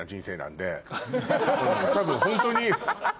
多分ホントに。